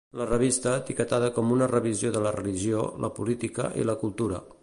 La revista, etiquetada com "Una revisió de la religió, la política i la cultura".